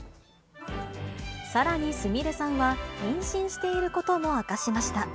さらにすみれさんは、妊娠していることも明かしました。